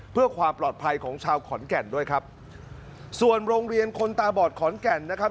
เพื่อความปลอดภัยของชาวขอนแก่นด้วยครับส่วนโรงเรียนคนตาบอดขอนแก่นนะครับ